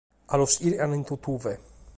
Ca los chircant in totue.